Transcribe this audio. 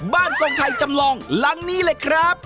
ทรงไทยจำลองหลังนี้เลยครับ